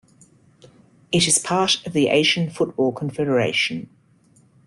It is part of the Asian Football Confederation.